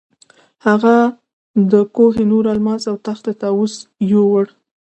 هغه د کوه نور الماس او تخت طاووس یووړ.